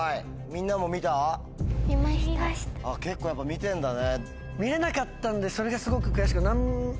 結構やっぱ見てんだね。